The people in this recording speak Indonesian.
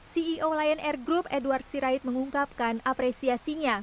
ceo lion air group edward sirait mengungkapkan apresiasinya